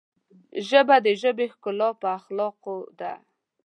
ژبه د ژبې ښکلا په اخلاقو ده